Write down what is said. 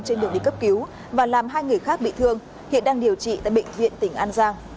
trên đường đi cấp cứu và làm hai người khác bị thương hiện đang điều trị tại bệnh viện tỉnh an giang